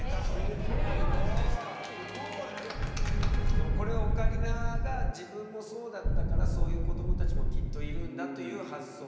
でもこれオカリナが自分もそうだったからそういう子どもたちもきっといるんだという発想だよね。